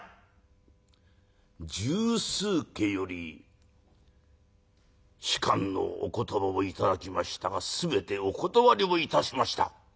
「十数家より仕官のお言葉を頂きましたが全てお断りをいたしました」。